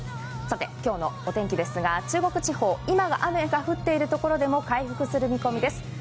今日のお天気ですが、中国地方、今は雨が降っているところでも回復する見込みです。